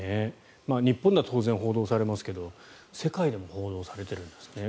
日本だと当然報道されますけど世界でも報道されているんですね。